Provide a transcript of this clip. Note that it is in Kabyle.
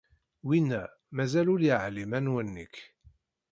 Winna mazal ur yeεlim anwa nekk.